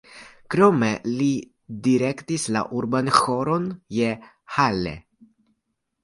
Krome li direktis la Urban Ĥoron je Halle.